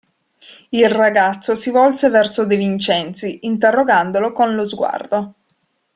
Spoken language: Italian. Il ragazzo si volse verso De Vincenzi, interrogandolo con lo sguardo.